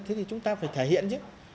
thế thì chúng ta phải thể hiện chứ